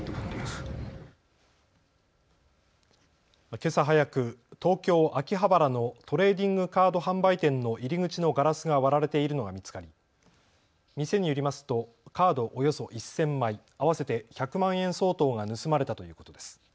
けさ早く、東京秋葉原のトレーディングカード販売店の入り口のガラスが割られているのが見つかり店によりますとカードおよそ１０００枚、合わせて１００万円相当が盗まれたということです。